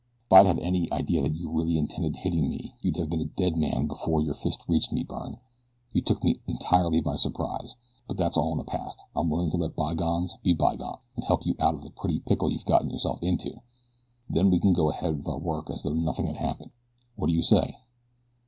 "If I'd had any idea that you really intended hitting me you'd have been a dead man before your fist reached me, Byrne. You took me entirely by surprise; but that's all in the past I'm willing to let bygones be bygones, and help you out of the pretty pickle you've got yourself into. Then we can go ahead with our work as though nothing had happened. What do you say?"